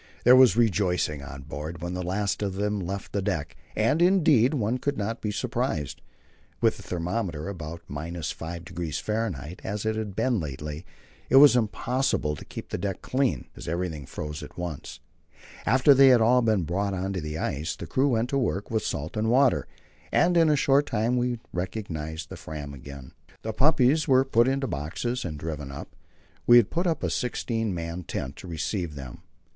There was rejoicing on board when the last of them left the deck, and, indeed, one could not be surprised. With the thermometer about 5°F., as it had been lately, it was impossible to keep the deck clean, as everything froze at once. After they had all been brought on to the ice, the crew went to work with salt and water, and in a short time we recognized the Fram again. The puppies were put into boxes and driven up. We had put up a sixteen man tent to receive them.